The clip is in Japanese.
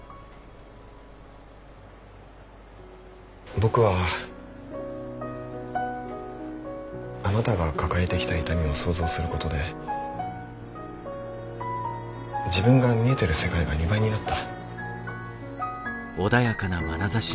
僕はあなたが抱えてきた痛みを想像することで自分が見えてる世界が２倍になった。